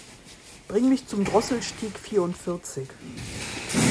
Bring mich zum Drosselstieg vierundvierzig.